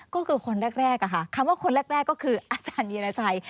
ก็คือคนแรกค่ะคำว่าคนแรกก็คืออาจารย์วีรชัย